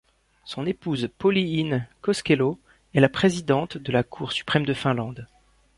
Son épouse Pauliine Koskelo est la présidente de la Cour suprême de Finlande.